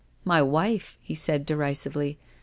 " My wife !" he said derisively.